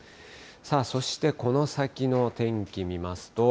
そしてこの先の天気、見ますと。